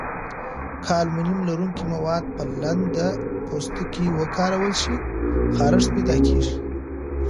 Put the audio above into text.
که المونیم لرونکي مواد په لنده پوستکي وکارول شي، خارښت پیدا کېږي.